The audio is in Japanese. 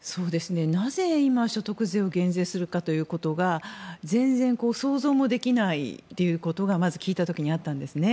なぜ今、所得税を減税するかということが全然想像もできないということがまず、聞いた時にあったんですね。